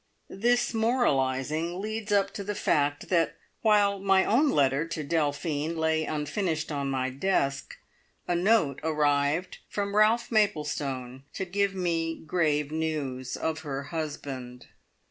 This moralising leads up to the fact that while my own letter to Delphine lay unfinished on my desk, a note arrived from Ralph Maplestone, to give me grave news of her husband.